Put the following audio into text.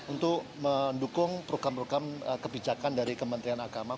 untuk mendukung program program kebijakan dari kementerian agama